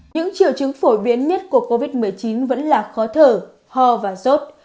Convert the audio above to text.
những triệu chứng phổ biến nhất của covid một mươi chín vẫn là khó thở ho và sốt